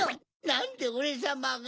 なんでオレさまが。